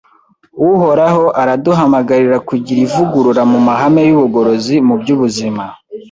Uhoraho araduhamagarira kugira ivugurura mu mahame y’ubugorozi mu by’ubuzima.